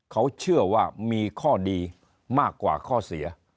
เขาเชื่อว่ามีข้อดีมากกว่าข้อเสีย